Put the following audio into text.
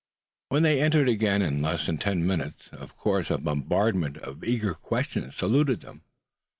When they entered again in less than ten minutes, of course a bombardment of eager questions saluted them.